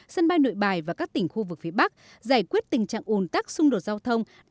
sân bay nội bài và các tỉnh khu vực phía bắc giải quyết tình trạng ồn tắc xung đột giao thông